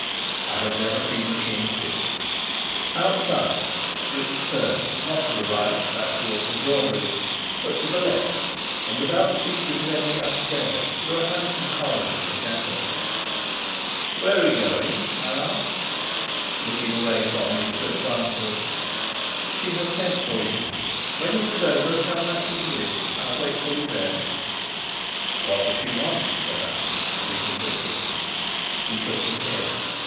I have never seen the King since. Outside, Fritz turned, not to the right, back towards the drawbridge, but to the left, and without speaking led me upstairs, through a handsome corridor in the chateau. "Where are we going?" I asked. Looking away from me, Fritz answered: "She has sent for you. When it is over, come back to the bridge. I'll wait for you there." "What does she want?" said I, breathing quickly. He shook his head.